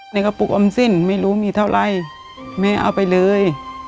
กระปุกออมสิ้นไม่รู้มีเท่าไรแม่เอาไปเลย